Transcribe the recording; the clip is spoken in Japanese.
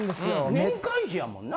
年会費やもんな？